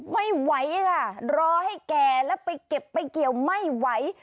ไม่ไหวค่ะรอให้แก่แล้วไปเก็บไปเกี่ยวไม่ไหว